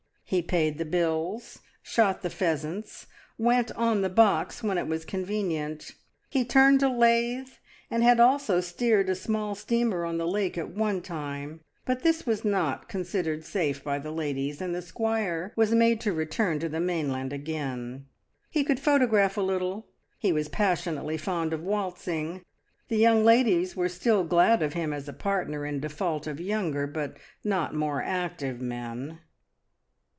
He paid the bills, shot the pheasants, went on the box when it was convenient; he tiurned a lathe, and had also steered a small steamer on the lake at one time, but this was not considered safe by the ladies, and the squire was made to return to the mainland again. He could photograph a little; he was passionately fond of waltzing, the young ladies were still glad of him as a partner in default of younger but not more active men.